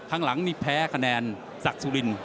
ครั้งหลังนี่แพ้คะแนนสักสุริน